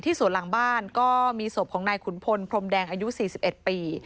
สวนหลังบ้านก็มีศพของนายขุนพลพรมแดงอายุ๔๑ปี